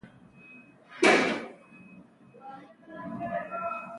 څوک چې خپلوي نه پالي تاسې ورسره خپلوي وپالئ.